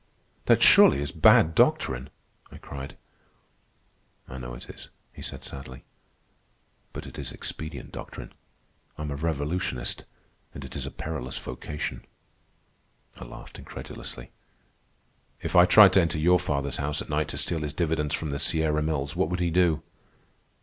"That surely is bad doctrine," I cried. "I know it is," he said sadly. "But it is expedient doctrine. I am a revolutionist, and it is a perilous vocation." I laughed incredulously. "If I tried to enter your father's house at night to steal his dividends from the Sierra Mills, what would he do?"